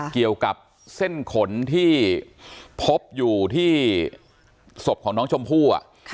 เกี่ยวกับเส้นขนที่พบอยู่ที่ศพของน้องชมพู่